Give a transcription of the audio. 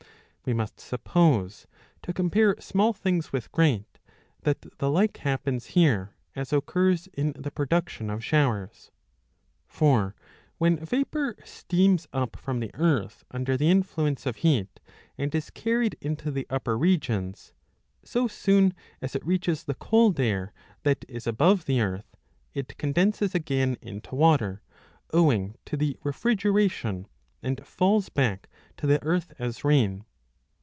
We must suppose, to compare small things with great, that the like happens here as occurs in the production 653 a. 36 ii. 7 of showers. For when vapor steams up from the earth under the influence of heat and is carried into the upper regions, so soon, as it reaches the cold air that is above the earth, it condenses again into water owing to the refrigeration, and falls back to the earth as rain.'